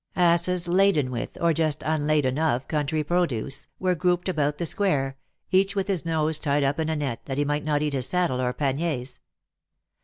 Asses laden with, or just unladen of, country produce, were group ed about the square, each with his nose tied up in a net, that he might not eat his saddle or panniers.